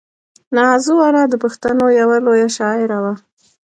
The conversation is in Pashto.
نازو انا د پښتنو یوه لویه شاعره وه.